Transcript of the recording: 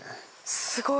すごい！